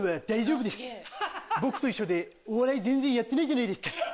僕と一緒でお笑い全然やってないじゃないですか。